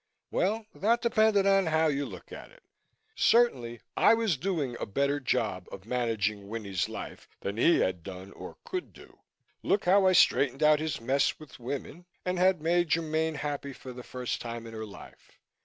Well, that depended on how you look at it. Certainly, I was doing a better job of managing Winnie's life than he had done or could do. Look how I straightened out his mess with women and had made Germaine happy for the first time in her life.